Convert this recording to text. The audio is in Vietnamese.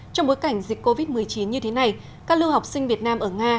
trong bối cảnh dịch covid một mươi chín như thế này các lưu học sinh việt nam ở nga